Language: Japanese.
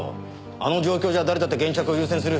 あの状況じゃ誰だって現着を優先する。